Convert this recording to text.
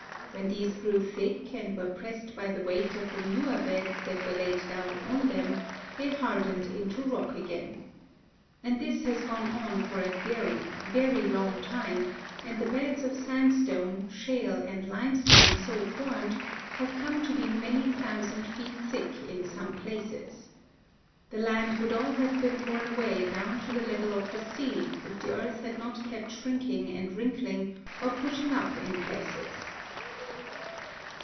When these grew thick, and were pressed by the weight of the newer beds that were laid down on them, they hardened into rock again. And this has gone on for a very, very long time, and the beds of sandstone, shale, and limestone so formed have come to be many thousand feet thick in some places. The land would all have been worn away down to the level of the sea if the earth had not kept shrinking and wrinkling, or pushing up in places.